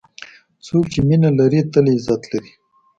څوک چې مینه لري، تل عزت لري.